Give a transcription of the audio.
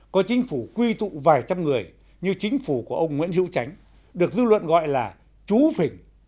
có chính phủ quy tụ vài trăm người như chính phủ của ông nguyễn hữu tránh được dư luận gọi là chú phỉnh